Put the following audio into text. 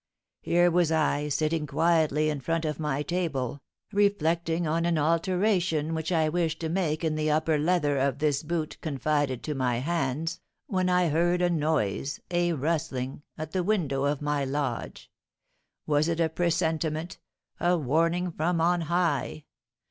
Here was I sitting quietly in front of my table, reflecting on an alteration which I wished to make in the upper leather of this boot confided to my hands, when I heard a noise, a rustling, at the window of my lodge, was it a presentiment, a warning from on high?